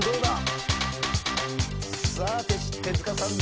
さあ手塚さん